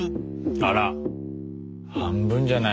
あら半分じゃない。